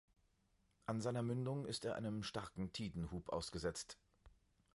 An seiner Mündung ist er einem starken Tidenhub ausgesetzt.